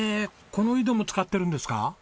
この井戸も使ってるんですか？